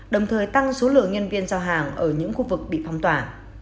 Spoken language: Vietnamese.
đồng thời tăng số lượng nhân viên giao hàng ở những khu vực bị phong tỏa